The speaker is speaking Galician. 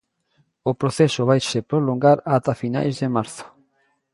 O proceso vaise prolongar ata finais de marzo.